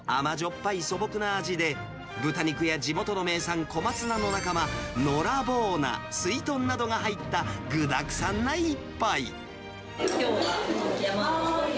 ぱい素朴な味で、豚肉や地元の名産、小松菜の仲間、ノラボウ菜、すいとんなどが入った具だくさんな一杯。